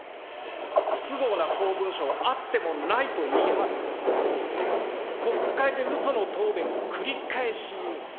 不都合な公文書はあってもないと言い張る、国会で、うその答弁を繰り返し言う。